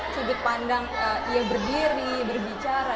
sudut pandang ia berdiri berbicara